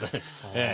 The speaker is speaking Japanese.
ええ。